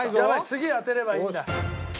次当てればいいんだ。